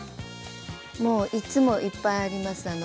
もういつもいっぱいあります。